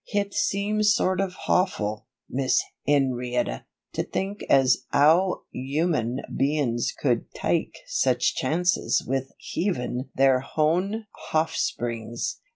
"Hit seemed sort of hawful, Miss 'Enrietta, to think as 'ow 'uman bein's could tike such chances with heven their hown hoffsprings.